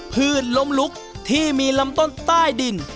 พื้นล้มลุกที่มีลำต้นใต้ดิน